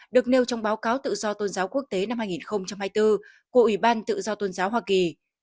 được nêu trong báo cáo tự do tôn giáo quốc tế năm hai nghìn hai mươi bốn của ủy ban tự do tôn giáo hoa kỳ